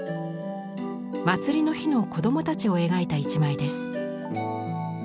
祭りの日の子供たちを描いた一枚です。